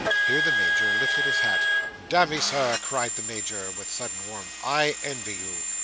Here the Major lifted his hat. "Damme, Sir," cried the Major with sudden warmth, "I envy you."